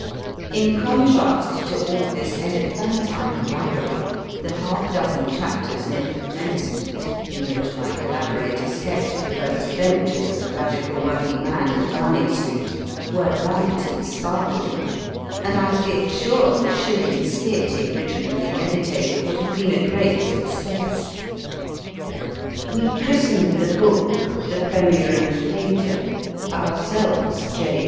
In contrast to all this elephantine waggery the half dozen chapters near the commencement, in which my collaborator sketched the first adventures of the Radical working man in Downing Street, were light and sparkling, and I feel sure the shilling skit he originally meditated would have been a great success. We christened the book The Premier and the Painter, ourselves J.